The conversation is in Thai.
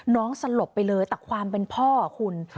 สลบไปเลยแต่ความเป็นพ่อคุณ